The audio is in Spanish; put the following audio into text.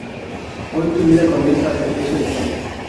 Hoy tu vida comienza al servicio de España.